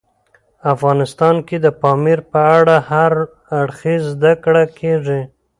افغانستان کې د پامیر په اړه هر اړخیزه زده کړه کېږي.